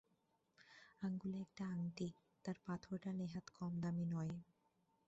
আঙুলে একটা আংটি– তার পাথরটা নেহাত কম দামি নয়।